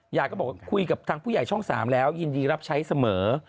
ยายก็บอกว่าคุยกับทางผู้ใหญ่ช่อง๓แล้วยินดีรับใช้เสมอ